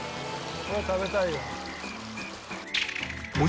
これ食べたいよ。